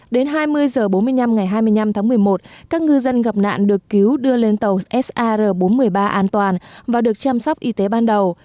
đến hai mươi h bốn mươi năm ngày hai mươi năm tháng một mươi một các ngư dân gặp nạn được cứu đưa lên tàu sar bốn trăm một mươi ba an toàn và được chăm sóc y tế ban đầu